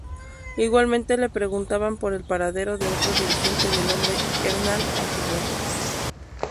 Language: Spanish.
Igualmente le preguntaban por el paradero de otro dirigente de nombre Hernán Aguiló.